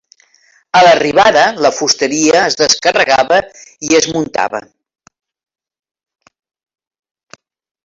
A l'arribada, la fusteria es descarregava i es muntava.